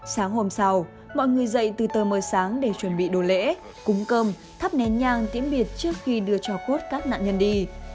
sáng hôm sau mọi người dậy từ tờ mờ sáng để chuẩn bị đồ lễ cúng cơm thắp nén nhang tiễn biệt trước khi đưa cho cốt các nạn nhân đi